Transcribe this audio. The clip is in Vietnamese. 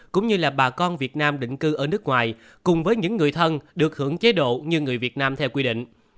cũng như là bà con việt nam định cư ở nước ngoài cùng với những người thân được hưởng chế độ như người việt nam theo quy định